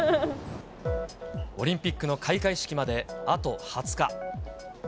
オリンピックの開会式まであと２０日。